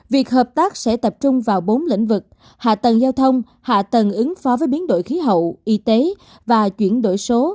việc hợp tác sẽ tập trung vào bốn lĩnh vực hạ tầng giao thông hạ tầng ứng phó với biến đổi khí hậu y tế và chuyển đổi số